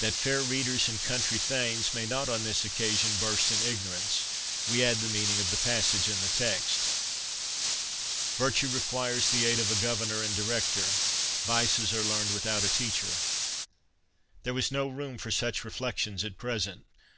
That fair readers and country thanes may not on this occasion burst in ignorance, we add the meaning of the passage in the text—"Virtue requires the aid of a governor and director; vices are learned without a teacher." There was no room for such reflections at present.